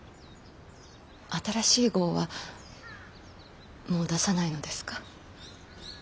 新しい号はもう出さないのですか？